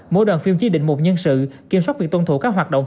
mỗi đoàn phim chỉ định một nhân sự kiểm soát việc tuân thủ các hoạt động